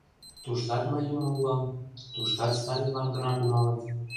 Туштат мый Юмо улам, туштат Сталинлан гына кумалыт.